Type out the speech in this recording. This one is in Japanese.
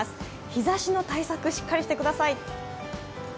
日ざしの対策しっかりしてください。